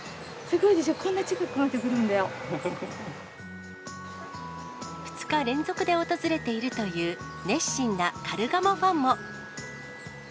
すごいでしょ、２日連続で訪れているという、熱心なカルガモファンも。